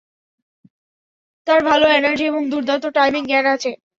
তার ভাল এনার্জি এবং দুর্দান্ত টাইমিং জ্ঞান আছে।